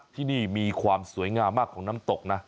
ที่นี่มีความสวยงามมากของน้ำตกนะ